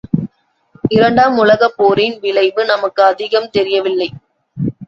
இரண்டாம் உலகப்போரின் விளைவு நமக்கு அதிகம் தெரியவில்லை.